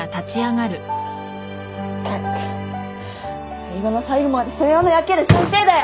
ったく最後の最後まで世話の焼ける先生だよ！